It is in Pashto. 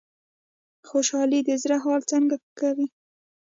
خوشحالي د زړه حال څنګه ښه کوي؟